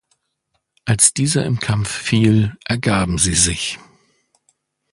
Als dieser im Kampf fiel, ergaben sie sich.